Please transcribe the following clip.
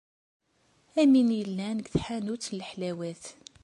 Am win yellan deg tḥanut n leḥlawat.